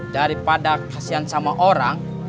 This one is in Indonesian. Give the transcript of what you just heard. daripada kasian sama orang